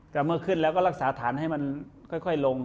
แต่เมื่อขึ้นแล้วก็รักษาฐานให้มันค่อยลง